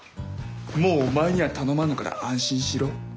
もうお前には頼まぬから安心しろ。